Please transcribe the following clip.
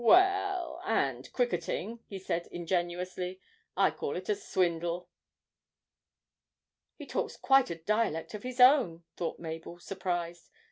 'Well and cricketing,' he said ingenuously. 'I call it a swindle.' 'He talks quite a dialect of his own,' thought Mabel surprised.